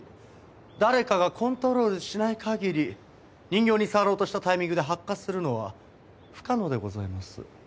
誰かがコントロールしない限り人形に触ろうとしたタイミングで発火するのは不可能でございます。